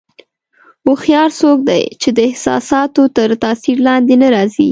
هوښیار څوک دی چې د احساساتو تر تاثیر لاندې نه راځي.